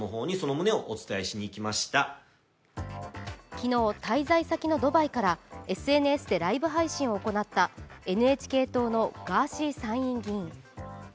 昨日、滞在先のドバイからＳＮＳでライブ配信を行ったＮＨＫ党のガーシー参議院議員。